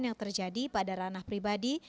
yang terjadi pada ranah pribadi